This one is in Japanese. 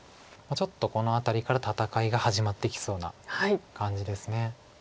ちょっとこの辺りから戦いが始まってきそうな感じです。